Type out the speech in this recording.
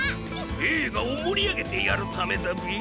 えいがをもりあげてやるためだビ。